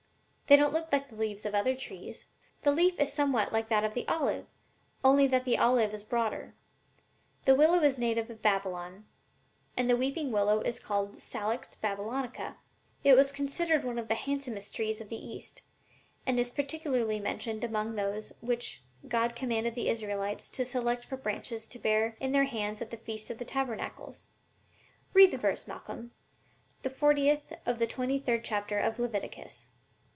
They don't look like the leaves of other trees." "The leaf is somewhat like that of the olive, only that of the olive is broader. The willow is a native of Babylon, and the weeping willow is called Salix Babylonica. It was considered one of the handsomest trees of the East, and is particularly mentioned among those which God commanded the Israelites to select for branches to bear in their hands at the feast of tabernacles. Read the verse, Malcolm the fortieth of the twenty third chapter of Leviticus."